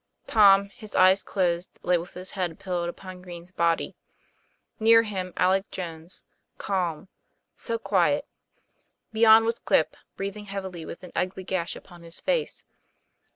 Tom, his eyes closed, lay with his head pillowed upon Green's body; near him Alec Jones, calm so quiet! Beyond was Quip, breath ing heavily with an ugly gash upon his face.